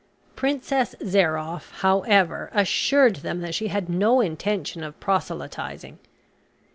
Princess Zairoff, however, assured them she had no intention of proselytising.